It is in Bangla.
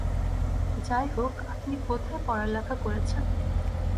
যাইহোক, আপনি কোথায় পড়ালেখা করেছেন?